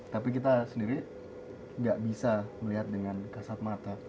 tapi kita sendiri gak bisa melihat dengan kasat mata